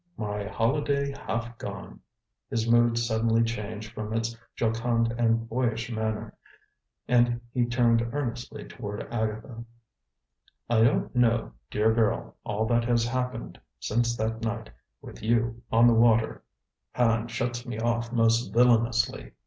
"My holiday half gone!" His mood suddenly changed from its jocund and boyish manner, and he turned earnestly toward Agatha. "I don't know, dear girl, all that has happened since that night with you on the water. Hand shuts me off most villainously.